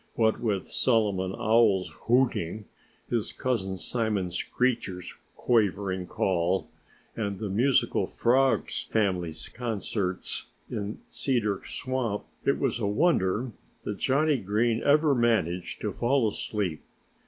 What with Solomon Owl's hooting, his cousin Simon Screecher's quavering call, and the musical Frog's family's concerts in Cedar Swamp, it was a wonder that Johnnie Green ever managed to fall asleep.